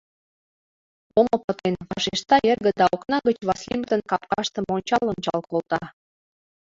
— Омо пытен, — вашешта эрге да окна гыч Васлимытын капкаштым ончал-ончал колта.